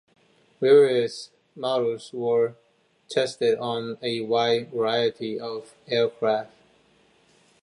Various models were tested on a wide variety of aircraft.